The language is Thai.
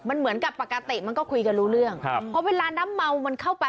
มันเหมือนกับปกติมันก็คุยกันรู้เรื่องครับเพราะเวลาน้ำเมามันเข้าไป